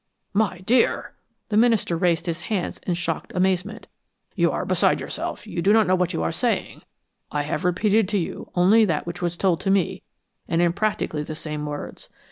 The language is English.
"My dear!" The minister raised his hands in shocked amazement. "You are beside yourself, you don't know what you are saying! I have repeated to you only that which was told to me, and in practically the same words.